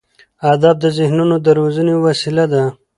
ادب د ذهنونو د روزنې وسیله ده.